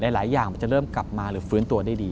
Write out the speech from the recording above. หลายอย่างมันจะเริ่มกลับมาหรือฟื้นตัวได้ดี